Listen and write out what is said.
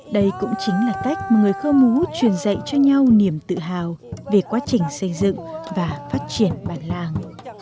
đây cũng chính là cách mà người khơ mú truyền dạy cho nhau niềm tự hào về quá trình xây dựng và phát triển bản làng